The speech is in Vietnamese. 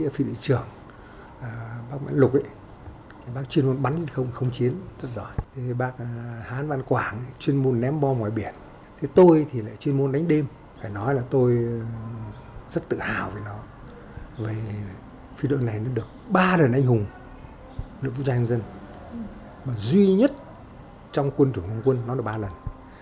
phi đội này nó được ba lần anh hùng lực lượng vũ trang nhân dân mà duy nhất trong quân trưởng không quân nó được ba lần